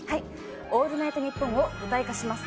「オールナイトニッポン」を舞台化します